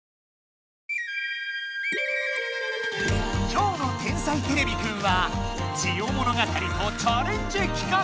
今日の「天才てれびくん」は「ジオ物語」とチャレンジ企画！